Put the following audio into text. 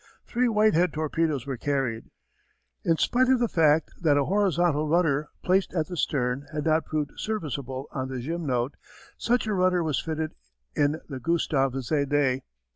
Three Whitehead torpedoes were carried. In spite of the fact that a horizontal rudder placed at the stern had not proved serviceable on the Gymnote, such a rudder was fitted in the Gustave Zédé.